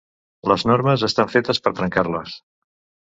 Les normes estan fetes per trencar-les.